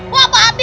wah pak ustadz